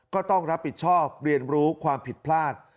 ก็ต้องรับผิดชอบเรียนรู้ความผิดพลาด